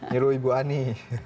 nyuruh ibu ani